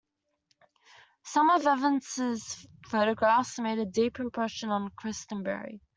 Some of Evans's photographs made a deep impression on Christenberry.